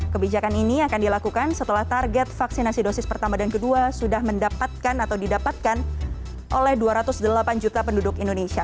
kebijakan ini akan dilakukan setelah target vaksinasi dosis pertama dan kedua sudah mendapatkan atau didapatkan oleh dua ratus delapan juta penduduk indonesia